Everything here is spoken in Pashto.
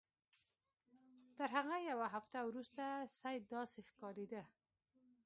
تر هغه یوه هفته وروسته سید داسې ښکارېده.